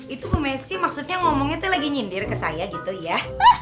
itu bu messi maksudnya ngomongnya tuh lagi nyindir ke saya gitu ya